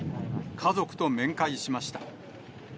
家族と面会しました。